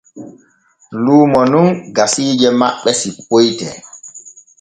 Luumo non gasiije maɓɓe sippoyte.